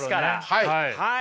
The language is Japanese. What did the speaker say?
はい。